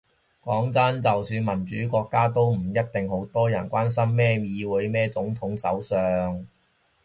講真，就算民主國家，都唔一定好多人關心咩議會咩總統咩首相